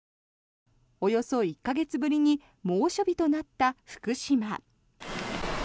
およそ１か月ぶりに猛暑日となった福島。